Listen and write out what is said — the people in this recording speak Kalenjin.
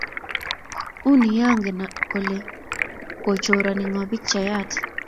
unii anget kole kochorani ngo pikchayandet